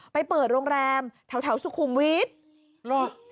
ไปเปิดโรงแรมแถวสุขุมวิทย์